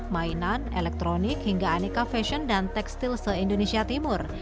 mainan elektronik hingga aneka fashion dan tekstil se indonesia timur